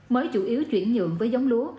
mới chủ yếu chuyển nhượng với giống lúa